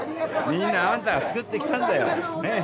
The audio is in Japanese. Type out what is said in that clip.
みんなあんたがつくってきたんだよねっ。